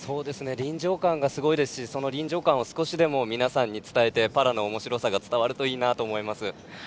臨場感がすごいですしその臨場感を少しでも皆さんに伝えてパラのおもしろさが伝わるといいなと思います。